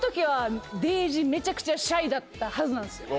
めちゃくちゃシャイだったはずなんですよ。